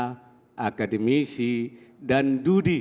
pemerintah akademisi dan juga pemerintah